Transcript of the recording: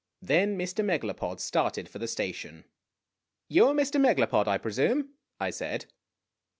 Then Mr. Megalopod started for the station. " You are Mr. Megalopod, I presume," I said.